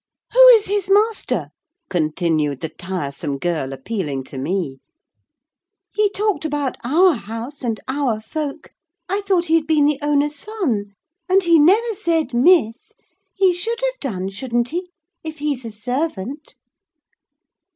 "Who is his master?" continued the tiresome girl, appealing to me. "He talked about 'our house,' and 'our folk.' I thought he had been the owner's son. And he never said Miss: he should have done, shouldn't he, if he's a servant?"